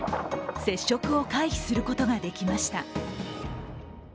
接触を回避することができました。